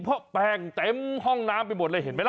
เพราะแป้งเต็มห้องน้ำไปหมดเลยเห็นไหมล่ะ